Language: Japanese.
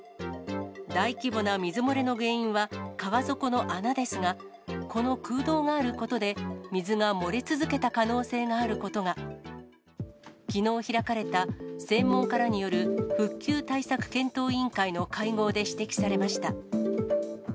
大規模な水漏れの原因は、川底の穴ですが、この空洞があることで、水が漏れ続けた可能性があることが、きのう開かれた、専門家らによる復旧対策検討委員会の会合で指摘されました。